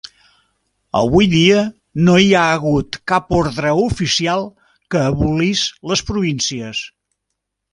Avui dia, no hi ha hagut cap ordre oficial que abolís les províncies.